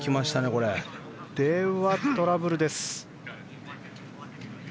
これは、トラブルです。